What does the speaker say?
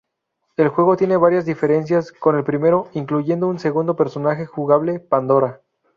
El juego tiene varias diferencias con el primero, incluyendo un segundo personaje jugable, Pandora.